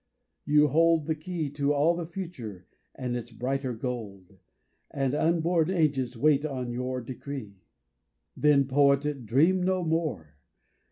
You hold the key To all the future and its brighter gold, And unborn ages wait on your decree. Then, poet, dream no more